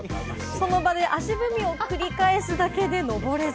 その場で足踏みを繰り返すだけで、のぼれず。